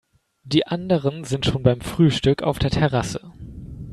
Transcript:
Die anderen sind schon beim Frühstück auf der Terrasse.